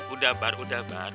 udah bar udah bar